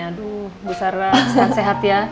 aduh bu sara sehat sehat ya